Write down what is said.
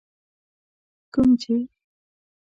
کوم چي